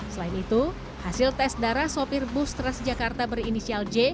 selain itu hasil tes darah sopir bus transjakarta berinisial j